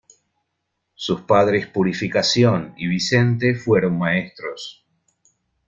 Sus padres Purificación y Vicente fueron maestros.